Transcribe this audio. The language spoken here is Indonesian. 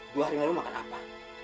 dua hari lalu makan apa